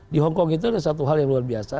di hongkong itu ada satu hal yang luar biasa